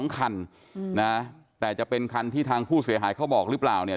คันนะแต่จะเป็นคันที่ทางผู้เสียหายเขาบอกหรือเปล่าเนี่ย